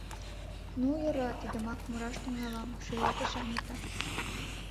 — Ну, йӧра, тидымак мураш тӱҥалам, — шӱлалтыш Анита.